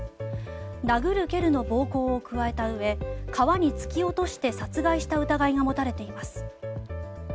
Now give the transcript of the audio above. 殴る蹴るの暴行を加えたうえ川に突き落として殺害した疑いが持たれています。